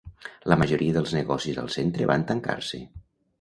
La majoria dels negocis al centre van tancar-se.